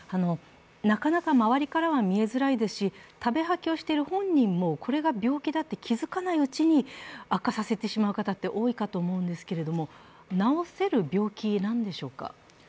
なかなか周りからは見えづらいですし、食べ吐きをしている本人も、これが病気だと気付かないうちに悪化させてしまう方って多いかと思うんですけど治せる病気なんでしょうか？